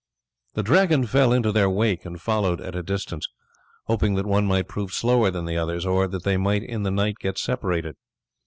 The Dragon fell into their wake and followed at a distance, hoping that one might prove slower than the others, or that they might in the night get separated.